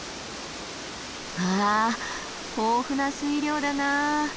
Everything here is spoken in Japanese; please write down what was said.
わあ豊富な水量だな。